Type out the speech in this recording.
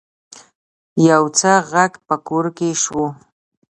يو څه غږ په کور کې شو.